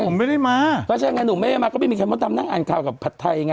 ผมไม่ได้มาก็ใช่ไงหนูไม่ได้มาก็ไม่มีใครมดดำนั่งอ่านข่าวกับผัดไทยไง